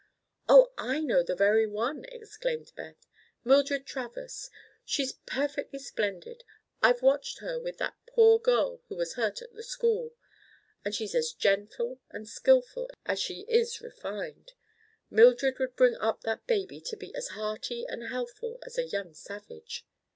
"Oh, I know the very one!" exclaimed Beth. "Mildred Travers. She's perfectly splendid. I've watched her with that poor girl who was hurt at the school, and she's as gentle and skillful as she is refined. Mildred would bring up that baby to be as hearty and healthful as a young savage."